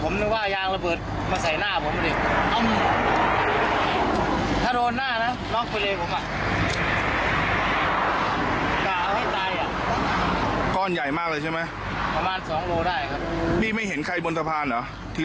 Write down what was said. มีคันมาข้างหน้าผมเมื่อวานเขาเจอโดนก้นเขาจะรอดู